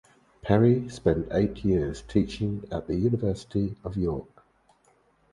Perry spent eight years teaching at the University of York.